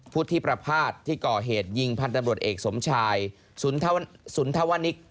พุทธิประพาทที่ก่อเหตุยิงพันธบรวจเอกสมชายสุนทวนิก